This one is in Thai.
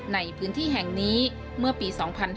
ในพื้นที่แห่งนี้เมื่อปี๒๕๕๙